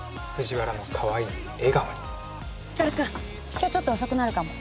今日ちょっと遅くなるかも。